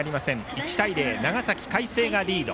１対０、長崎・海星がリード。